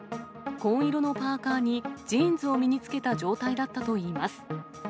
紺色のパーカーにジーンズを身につけた状態だったといいます。